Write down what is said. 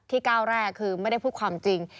ก้าวแรกคือไม่ได้พูดความจริง